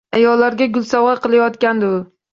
Ayollarga gul sovg‘a qilayotgandi u.